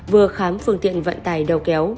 vừa khám phương tiện vận tài đầu kéo